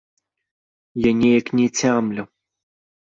Я неяк не цямлю.